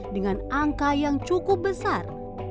dengan angka yang cukup besar